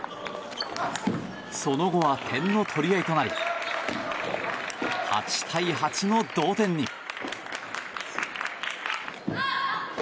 その後は点の取り合いとなり８対８の同点に。